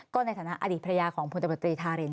ก็ในฐานะอดีตพระยาของพุทธบัตรีทาเรน